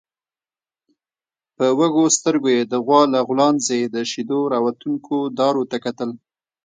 په وږو سترګويې د غوا له غولانځې د شيدو راوتونکو دارو ته کتل.